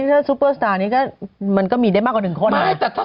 ที่ใสดีน่ารักมาก